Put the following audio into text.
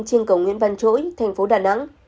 trên cầu nguyễn văn chỗi thành phố đà nẵng